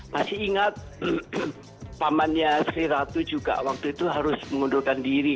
masih ingat pamannya sri ratu juga waktu itu harus mengundurkan diri